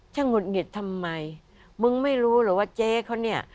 หงุดหงิดทำไมมึงไม่รู้เหรอว่าเจ๊เขาเนี่ย